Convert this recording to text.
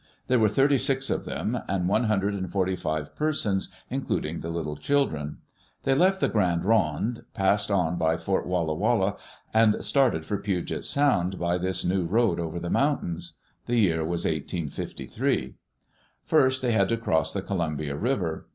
There were thirty six of them, and one hundred and forty five persons, including the little children. They left the Grande Ronde, passed on by Fort Walla Walla, and started for Puget Sound by this new road over the mountains. The year was 1853. First they had to cross the Columbia River.